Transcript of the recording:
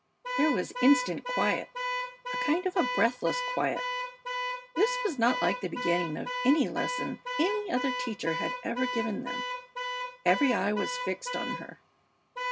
There was instant quiet, a kind of a breathless quiet. This was not like the beginning of any lesson any other teacher had ever given them. Every eye was fixed on her.